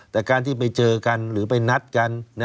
แต่การที่ไปเจอกันหรือไปนัดกัน